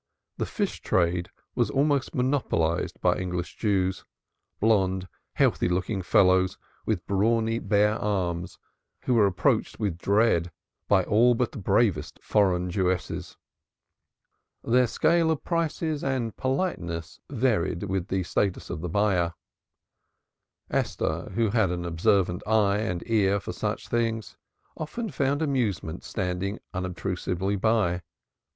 The fish trade was almost monopolized by English Jews blonde, healthy looking fellows, with brawny, bare arms, who were approached with dread by all but the bravest foreign Jewesses. Their scale of prices and politeness varied with the status of the buyer. Esther, who had an observant eye and ear for such things, often found amusement standing unobtrusively by.